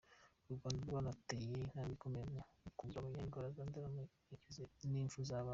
U Rwanda rwanateye intambwe ikomeye mu kugabanya indwara zandura n’imfu z’abana.